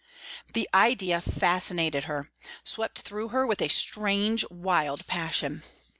The idea fascinated her swept through her with a strange, wild passion.